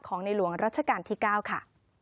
ในหลวงรัชกาลที่๙ค่ะ